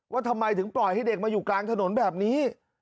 ว่าทำไมถึงปล่อยให้เด็กมาอยู่กลางถนนแบบนี้